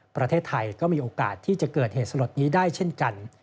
ประเทศไทยก็มีโอกาสที่จะเกิดเหตุสลดนี้ได้เช่นกัน